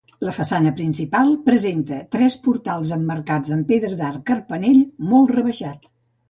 La façana principal presenta tres portals emmarcats amb pedra d'arc carpanell molt rebaixat.